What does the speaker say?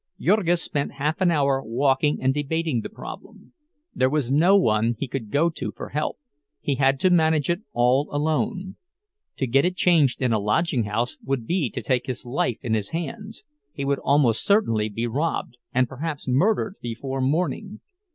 Jurgis spent half an hour walking and debating the problem. There was no one he could go to for help—he had to manage it all alone. To get it changed in a lodging house would be to take his life in his hands—he would almost certainly be robbed, and perhaps murdered, before morning.